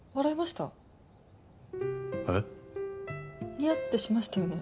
ニヤッてしましたよね？